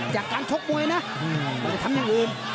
จากการชกมวยนะไม่ได้ทำอย่างอื่น